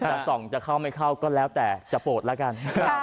จะส่องจะเข้าไม่เข้าก็แล้วแต่จะโปรดแล้วกัน